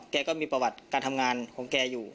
ก็มีประวัติการทำงานของแกอยู่